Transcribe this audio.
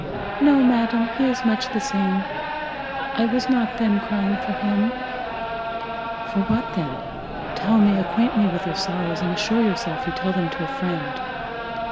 "No, madam, he is much the same; I was not then crying for him." "For what then? tell me, acquaint me with your sorrows, and assure yourself you tell them to a friend."